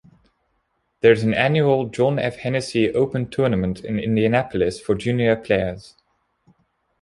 There is an annual John F. Hennessey Open tournament in Indianapolis for junior players.